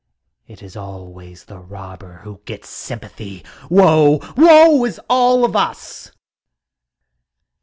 It is always the robber who gets sympathy! Woe! Woe is all of us!